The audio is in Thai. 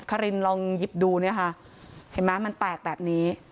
คารินลองหยิบดูเนี่ยค่ะเห็นไหมมันแตกแบบนี้